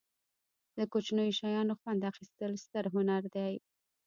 له کوچنیو شیانو خوند اخستل ستر هنر دی.